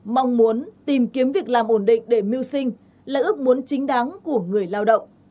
mong muốn tìm kiếm việc làm ổn định để mưu sinh là ước muốn chính đáng của người lao động